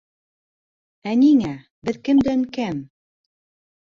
Ә ниңә, беҙ кемдән кәм?